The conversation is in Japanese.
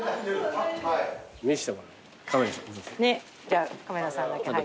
じゃあカメラさんだけ入って。